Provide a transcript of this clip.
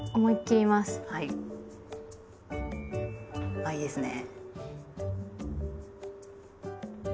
あいいですねぇ。